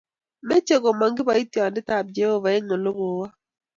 Meche komong kiboitindet tab jehovah eng olagokawa